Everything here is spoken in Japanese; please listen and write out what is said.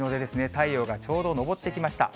太陽がちょうど昇ってきました。